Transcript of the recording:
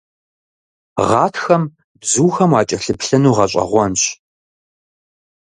Гъатхэм бзухэм уакӀэлъыплъыну гъэщӀэгъуэнщ.